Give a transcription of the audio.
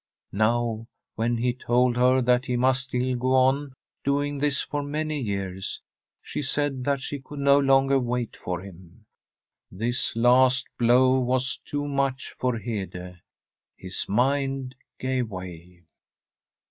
Now, when he told her that he must still go on doing this for many years, she said that she could no longer wait for him. This last blow was too much for Hede; his mind gave way.